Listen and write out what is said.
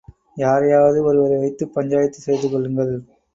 யாரையாவது ஒருவரை வைத்துப் பஞ்சாயத்துச் செய்துகொள்ளுங்கள்.